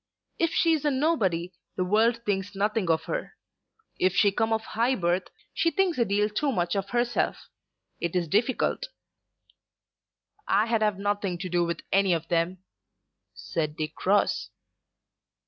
If she is a nobody the world thinks nothing of her. If she come of high birth she thinks a deal too much of herself. It is difficult." "I'd have nothing to do with any of them," said Dick Ross.